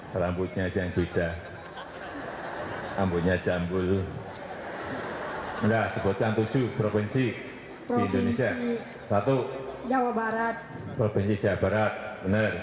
provinsi jawa barat benar